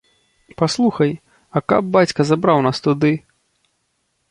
Паслухай, а каб бацька забраў нас туды?